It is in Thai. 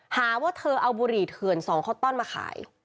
หาว่าเธอเอาบุหรี่เถื่อนสองคอตตอนมาขาย